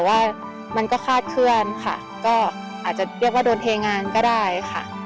แต่ว่ามันก็คาดเคลื่อนค่ะก็อาจจะเรียกว่าโดนเทงานก็ได้ค่ะ